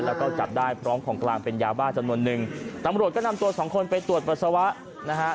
แล้วก็จับได้พร้อมของกลางเป็นยาบ้าจำนวนนึงตำรวจก็นำตัวสองคนไปตรวจปัสสาวะนะฮะ